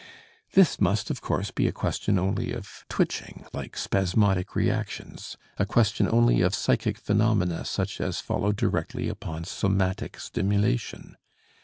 This must, of course, be a question only of twitching, like spasmodic reactions, a question only of psychic phenomena such as follow directly upon somatic stimulation.